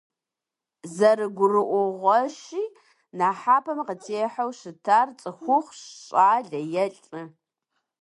ЗэрыгурыӀуэгъуэщи, нэхъапэм хъытехыу щытар цӀыхухъущ, щӀалэ е лӀы.